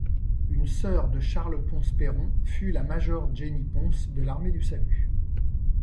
Une sœur de Charles Pons-Peyron, fut la major Jenny Pons, de l'Armée du salut.